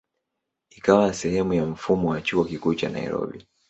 Ikawa sehemu ya mfumo wa Chuo Kikuu cha Nairobi.